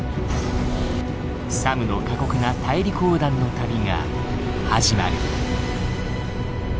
サムの過酷な大陸横断の旅が始まる。